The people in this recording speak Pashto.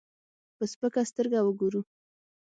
په سپکه سترګه وګورو.